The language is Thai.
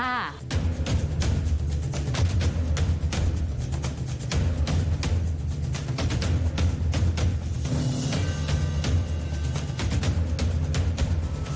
ตามมาเลยค่ะ